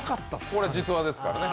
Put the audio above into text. これ、実話ですからね。